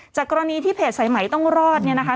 จากกรณีที่เพจใส่ไหมต้องรอดนี่นะคะ